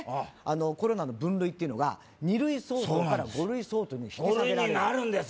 コロナの分類が２類相当から５類相当に引き下げられる５類になるんですよ